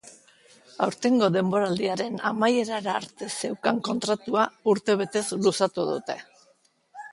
Aurtengo denboraldiaren amaierara arte zeukan kontratua urtebetez luzatu dute.